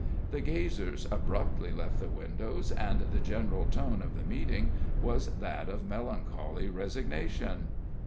The gazers abruptly left the window, and the general tone of the meeting was that of melancholy resignation.